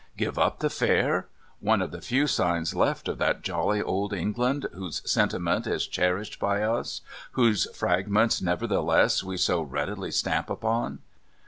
Give up the fair! One of the few signs left of that jolly Old England whose sentiment is cherished by us, whose fragments nevertheless we so readily stamp upon.